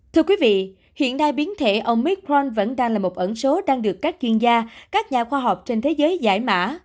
thưa quý vị hiện nay biến thể ông mikron vẫn đang là một ẩn số đang được các chuyên gia các nhà khoa học trên thế giới giải mã